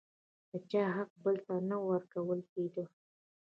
د چا حق بل ته نه ورکول کېده.